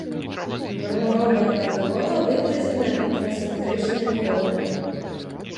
Мармуровая падлога выкладзены канцэнтрычнымі коламі.